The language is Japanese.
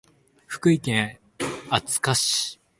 福井県敦賀市